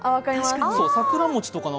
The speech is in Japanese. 桜餅とか。